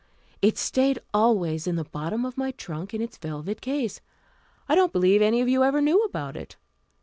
It stayed always in the bottom of my trunk, in its velvet case. I don't believe any of you ever knew about it.